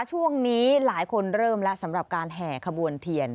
ช่วงนี้หลายคนเริ่มแล้วสำหรับการแห่ขบวนเทียน